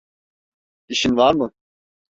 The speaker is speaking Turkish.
İşin var mı?